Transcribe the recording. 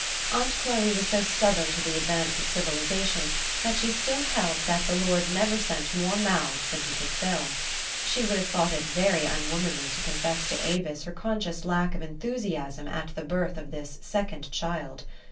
Aunt Chloe was so stubborn to the advance of civil ization, that she still held that the Lord never sent more mouths than he could fill. She would have thought it very unwomanly to confess to Avis her conscious lack of enthusiasm at the birth of this second child.